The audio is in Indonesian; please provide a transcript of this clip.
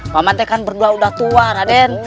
pak mante kan berdua udah tua raden